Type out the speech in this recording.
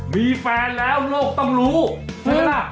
มีแฟนแล้วโลกต้องรู้ใช่ไหมล่ะ